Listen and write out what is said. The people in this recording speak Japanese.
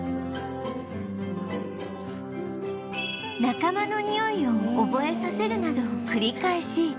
仲間のにおいを覚えさせるなどを繰り返し